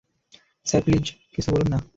Sir please, কিছু বলুন না?